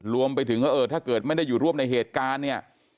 รวมไปถึงว่าเออถ้าเกิดไม่ได้อยู่ร่วมในเหตุการณ์เนี่ย